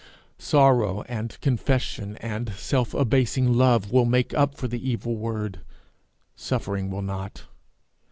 Sorrow and confession and self abasing love will make up for the evil word; suffering will not.